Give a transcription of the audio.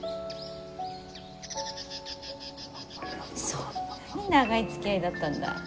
そんなに長いつきあいだったんだ。